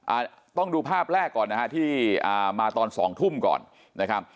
อ่าต้องดูภาพแรกก่อนนะฮะที่อ่ามาตอนสองทุ่มก่อนนะครับ